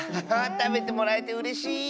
たべてもらえてうれしい。